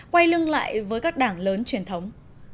quay lưng lại với các đảng lớn truyền thống